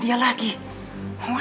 dia lagi dia lagi